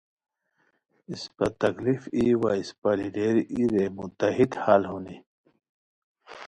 اسپہ تکلیف ای وا اسپہ لیڈر ای رے متحد حال ہونی